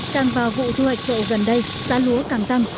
càng vào vụ thu hoạch rộ gần đây giá lúa càng tăng